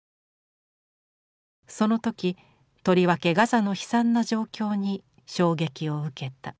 そのときとりわけガザの悲惨な状況に衝撃を受けた。